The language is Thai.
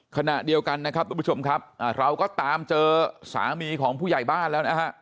ขณะเดียวกันนะครับทุกผู้ชมครับเราก็ตามเจอสามีของผู้ใหญ่บ้านแล้วนะฮะ